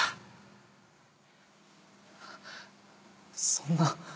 そんな